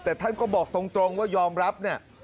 แต่ท่านก็บอกตรงว่ายอมรับเนี่ย